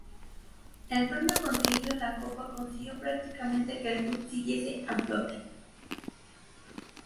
El premio conseguido en la copa consiguió prácticamente que el club siguiese a flote.